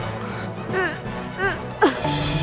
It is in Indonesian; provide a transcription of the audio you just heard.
pada saat ini